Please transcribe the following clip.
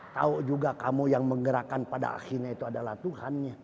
tahu juga kamu yang menggerakkan pada akhirnya itu adalah tuhannya